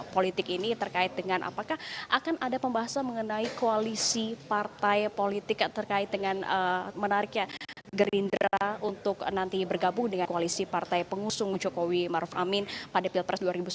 politik ini terkait dengan apakah akan ada pembahasan mengenai koalisi partai politik terkait dengan menariknya gerindra untuk nanti bergabung dengan koalisi partai pengusung jokowi maruf amin pada pilpres dua ribu sembilan belas